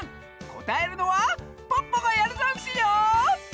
こたえるのはポッポがやるざんすよ！